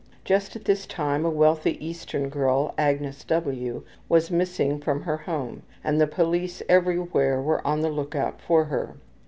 Just at this time a wealthy eastern girl, Agnes W., was missing from her home, and the police everywhere were on the lookout for her.